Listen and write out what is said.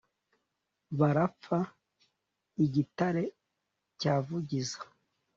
Barapfa i Gitare cya Vugiza